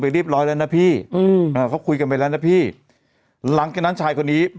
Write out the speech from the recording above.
เรียบร้อยแล้วนะพี่อืมอ่าเขาคุยกันไปแล้วนะพี่หลังจากนั้นชายคนนี้